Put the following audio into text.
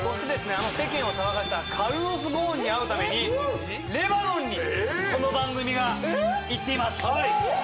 あの世間を騒がせたカルロス・ゴーンに会うためにレバノンにこの番組が行っています。